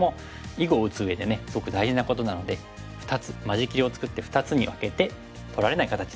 囲碁を打つうえでねすごく大事なことなので間仕切りを作って２つに分けて取られない形にする。